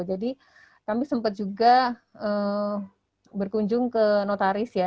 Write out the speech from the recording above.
jadi kami sempat juga berkunjung ke notaris ya